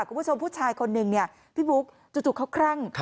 คุณผู้ชมผู้ชายคนหนึ่งพี่ปุ๊บจุดเขาครั่ง